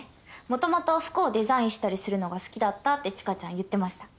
もともと服をデザインしたりするのが好きだったって知花ちゃん言ってました。